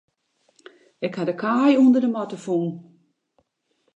Ik ha de kaai ûnder de matte fûn.